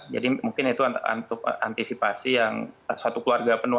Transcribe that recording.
jadi mungkin itu untuk antisipasi yang satu keluarga penuh